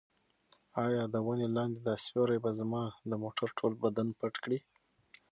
ایا د ونې لاندې دا سیوری به زما د موټر ټول بدن پټ کړي؟